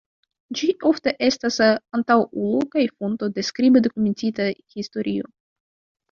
Ĝi ofte estas antaŭulo kaj fonto de skribe dokumentita historio.